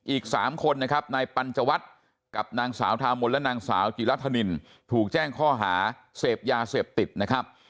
อีก๓คนนะครับนายปัญจวัตรกับนางสาวทามนและนางสาวจิรัฐนินถูกแจ้งข้อหาเสพยาเสพติดนะครับ